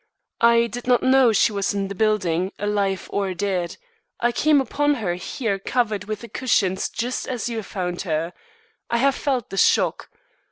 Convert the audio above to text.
I did not know she was in the building, alive or dead. I came upon her here covered with the cushions just as you found her. I have felt the shock.